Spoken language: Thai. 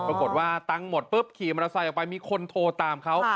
ปรากฏว่าตังค์หมดปุ๊บขี่มอเตอร์ไซค์ออกไปมีคนโทรตามเขา